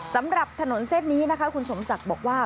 สำหรับถนนเส้นนี้นะคะคุณสมศักดิ์บอกว่า